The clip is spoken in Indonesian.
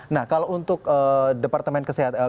nah kalau untuk departemen kesehatan